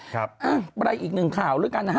ไปได้อีกหนึ่งข่าวด้วยกัน